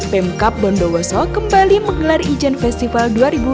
pemkap bondowoso kembali menggelar ijen festival dua ribu dua puluh